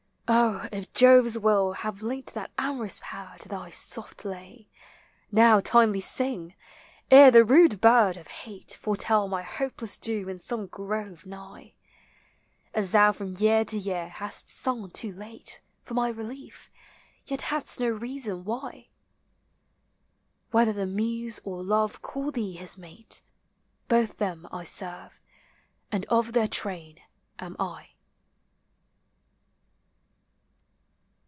Oh, if Jove's will Have linked that amorous power to thy soft lay, Now timely sing, ere the rude bird of hate Foretell my hopeless doom in some grove nigh; As thou from year to year hast sung too late For my relief, yet hadst no reason why. Whether the Muse or Love call thee his mate, Both them I serve, and of their train am I.